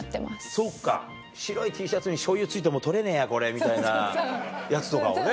そっか白いＴシャツにしょうゆついてもう取れねえやこれみたいなやつとかをね。